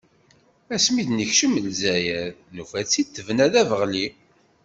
Ass mi d-nekcem lezzayer, nufa-tt-id tebna d abeɣli.